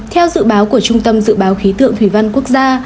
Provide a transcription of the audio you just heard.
theo dự báo của trung tâm dự báo khí tượng thủy văn quốc gia